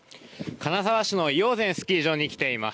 金沢市の医王山スキー場に来ています。